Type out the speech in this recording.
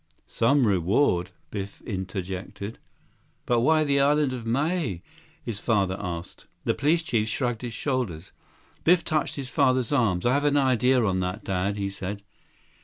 "Some reward!" Biff interjected. 65 "But why the Island of Maui?" his father asked. The police chief shrugged his shoulders. Biff touched his father's arm. "I have an idea on that, Dad," he said.